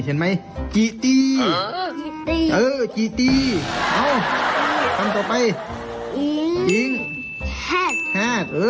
โอเคนะ